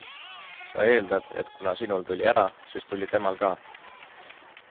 Sa eeldad, et kuna sinul tuli ära, siis tuli temal ka.